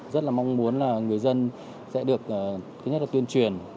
rất là mong muốn là người dân sẽ được thứ nhất là tuyên truyền